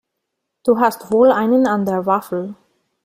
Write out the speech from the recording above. Du hast wohl einen an der Waffel!